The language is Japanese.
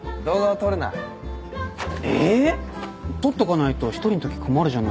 撮っとかないと一人のとき困るじゃないっすか。